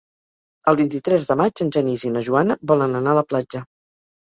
El vint-i-tres de maig en Genís i na Joana volen anar a la platja.